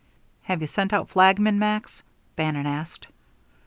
"Have you sent out flagmen, Max?" Bannon asked.